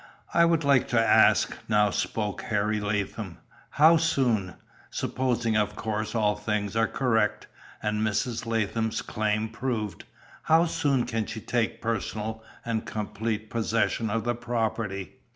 "I would like to ask," now spoke Harry Latham, "how soon supposing of course all things are correct, and Mrs. Latham's claim proved how soon can she take personal and complete possession of the property?